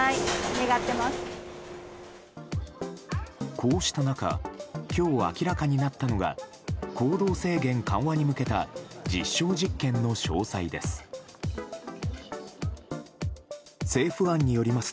こうした中今日、明らかになったのが行動制限緩和に向けた実証実験の詳細です。